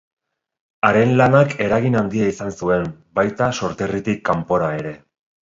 Haren lanak eragin handia izan zuen, baita sorterritik kanpora ere.